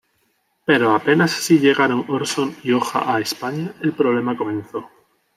Pero apenas si llegaron Orson y Oja a España, el problema comenzó.